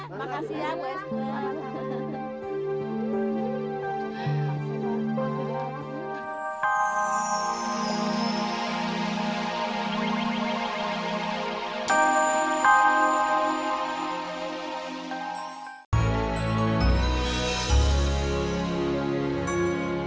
makasih ya bu esther